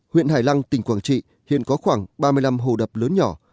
huyện hải lăng tỉnh quảng trị hiện có khoảng ba mươi năm hồ đập lớn nhỏ